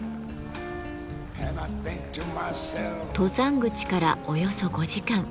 登山口からおよそ５時間。